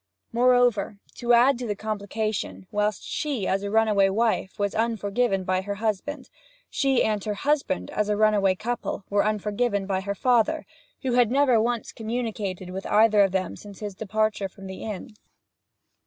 Moreover, to add to the complication, whilst she, as a runaway wife, was unforgiven by her husband, she and her husband, as a runaway couple, were unforgiven by her father, who had never once communicated with either of them since his departure from the inn.